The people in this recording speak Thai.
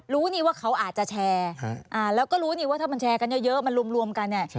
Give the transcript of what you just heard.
ว่าเขาอาจจะแชร์แล้วก็รู้นี่ว่าถ้ามันแชร์กันเยอะมันรวมกันเนี่ย